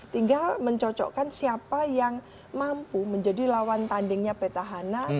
tinggal mencocokkan siapa yang mampu menjadi lawan tandingnya petahana